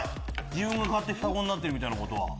自分が買って双子になってるみたいなことは。